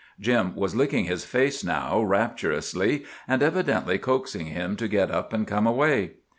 Jim was licking his face now, rapturously, and evidently coaxing him to get up and come away.